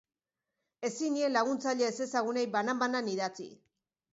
Ezin nien laguntzaile ezezagunei banan-banan idatzi.